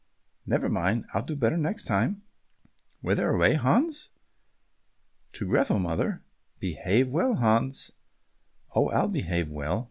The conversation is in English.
"Never mind, will do better next time." "Whither away, Hans?" "To Grethel, mother." "Behave well, Hans." "Oh, I'll behave well.